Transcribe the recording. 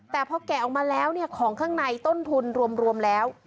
แต่พอแกะออกมาแล้วของข้างในต้นทุนรวมแล้ว